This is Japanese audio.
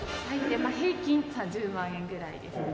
平均３０万円ぐらいですね。